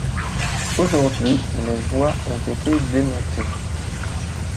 Aujourd'hui les voies ont été démontées.